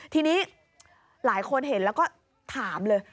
ทีนี้หลายคนเห็นแล้วก็ถามเลย